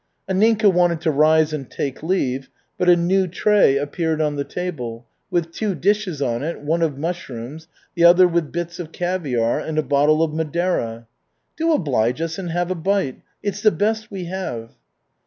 Anninka wanted to rise and take leave, but a new tray appeared on the table, with two dishes on it, one of mushrooms, the other with bits of caviar, and a bottle of Madeira. "Do oblige us and have a bite it's the best we have."